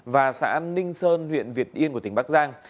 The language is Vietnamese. và xã ninh sơn huyện việt yên của tỉnh bắc giang